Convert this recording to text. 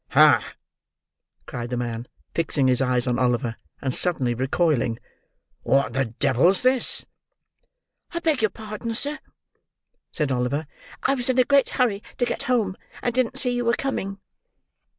"Hah!" cried the man, fixing his eyes on Oliver, and suddenly recoiling. "What the devil's this?" "I beg your pardon, sir," said Oliver; "I was in a great hurry to get home, and didn't see you were coming."